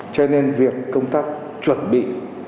cho nên việc công tác chuẩn bị